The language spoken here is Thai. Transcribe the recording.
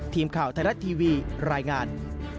ทีมข่าวไทยรัฐทีวีรายงาน